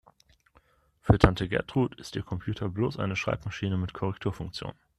Für Tante Gertrud ist ihr Computer bloß eine Schreibmaschine mit Korrekturfunktion.